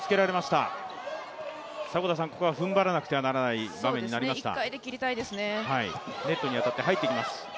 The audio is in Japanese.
ここは踏ん張らなければならない場面になりました。